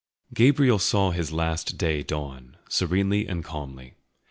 Gabriel saw his last day dawn, serenely and calmly.